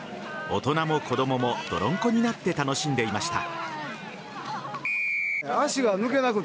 大人も子供も泥んこになって楽しんでいました。